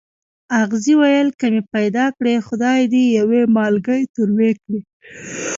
اغزي ویل که مې پیدا کړې خدای دې یو مالګی تروې کړي.